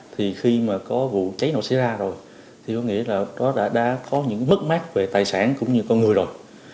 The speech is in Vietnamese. thì có nghĩa là đó đã có những mất mát về tài sản cũng như con người rồi